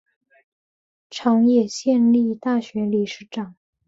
长野县立大学理事长。